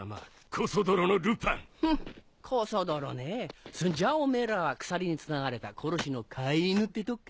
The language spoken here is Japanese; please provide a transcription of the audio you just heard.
コソ泥ねぇそんじゃおめぇらは鎖につながれた殺しの飼い犬ってとこか？